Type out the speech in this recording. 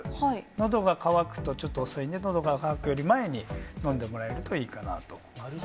のどが渇くとちょっと遅いので、のどが渇くより前に、飲んでもらえるといいかなと思います。